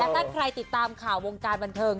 ถ้าใครติดตามข่าววงการบันเทิง